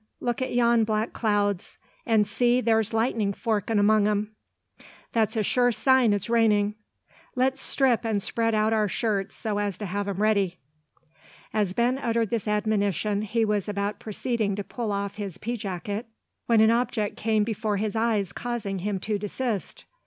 Look at yon black clouds; and see, there's lightning forkin' among 'em. That 's a sure sign it's raining. Let's strip, and spread out our shirts so as to have them ready." As Ben uttered this admonition he was about proceeding to pull off his pea jacket, when an object came before his eyes causing him to desist.